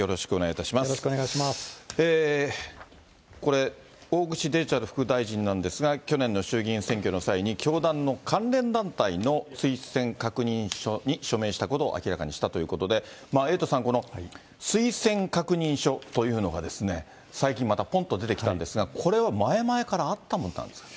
これ、大串デジタル副大臣なんですが、去年の衆議院選挙の際に、教団の関連団体の推薦確認書に署名したことを明らかにしたということで、エイトさん、推薦確認書というのが、最近、またぽんと出てきたんですが、これは前々からあったものなんですか。